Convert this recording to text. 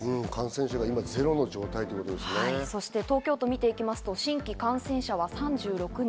そして東京都を見ていきますと新規感染者は３６人。